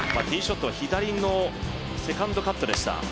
ティーショットは左のセカンドカットでした。